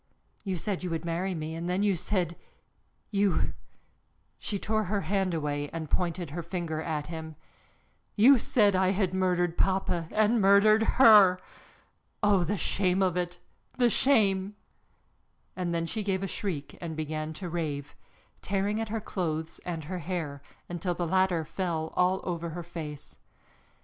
You said you would marry me, and then you said, you," she tore her hand away and pointed her finger at him, "you said I had murdered papa and murdered her! Oh, the shame of it, the shame!" And then she gave a shriek and began to rave, tearing at her clothes and her hair, until the latter fell all over her face.